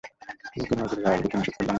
ওকে নজরের আড়াল করতে নিষেধ করলাম না?